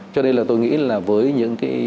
cho nên là tôi nghĩ là với những cái